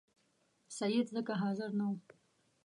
سید ځکه حاضر نه وو.